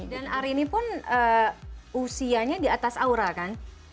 dan arini pun usianya di atas aura kan